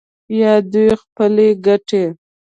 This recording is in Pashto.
یا دوی خپلې ګټې